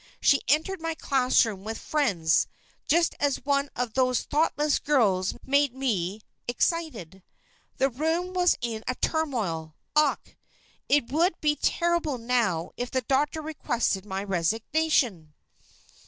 She entered my classroom, with friends, just as one of those thoughtless girls had made me excited. The room was in a turmoil Ach! it would be terrible now if the doctor requested my resignation."